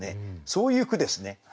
そういう句ですね。